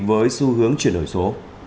với xu hướng chuyển đổi số